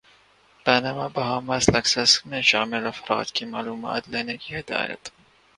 Panama Bahamas leaks میں شامل افراد کی معلومات لینے کی ہدایت